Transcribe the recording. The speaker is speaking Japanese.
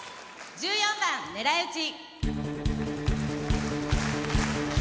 １４番「狙いうち」。